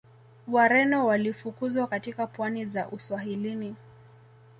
Wareno walifukuzwa katika pwani za Uswahilini